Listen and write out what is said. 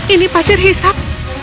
ini pasir hisap